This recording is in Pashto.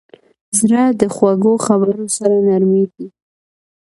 زړه د خوږو خبرو سره نرمېږي.